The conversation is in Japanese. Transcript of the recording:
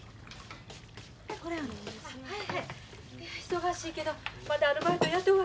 忙しいけどまだアルバイトを雇う